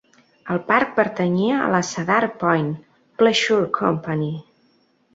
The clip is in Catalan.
El parc pertanyia a la Cedar Point Pleasure Company.